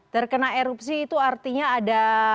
terkena erupsi itu artinya ada